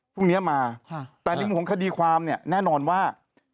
พรุ่งนี้มาแต่ที่มุมของคดีความแน่นอนว่า